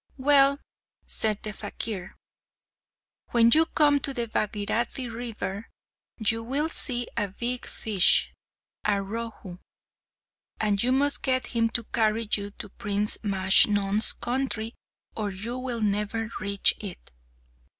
"Well," said the fakir, "when you come to the Bhagirathi river you will see a big fish, a Rohu; and you must get him to carry you to Prince Majnun's country, or you will never reach it."